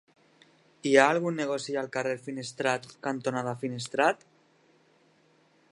Hi ha algun negoci al carrer Finestrat cantonada Finestrat?